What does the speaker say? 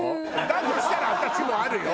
だとしたら私もあるよ。